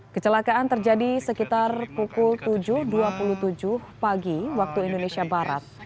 kecelakaan terjadi sekitar pukul tujuh dua puluh tujuh pagi waktu indonesia barat